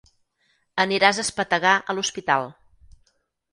Aniràs a espetegar a l'hospital.